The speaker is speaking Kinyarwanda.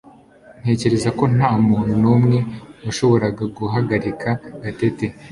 Ntekereza ko ntamuntu numwe washoboraga guhagarika Gatete